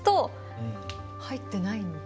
入ってないんだ。